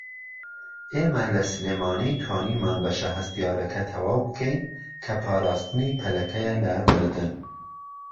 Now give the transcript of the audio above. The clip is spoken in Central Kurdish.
ئێمە لە سلێمانی توانیمان بەشە هەستیارەكە تەواو بكەین كە پاراستنی پەلەكەیە لە مردن